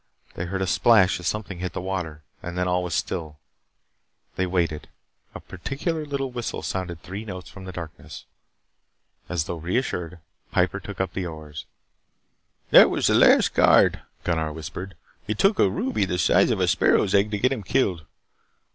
They heard a splash as something hit the water and then all was still. They waited. A peculiar little whistle sounded three notes from the darkness. As though reassured, Piper took up his oars. "That was the last guard," Gunnar whispered. "It took a ruby the size of a sparrow's egg to get him killed.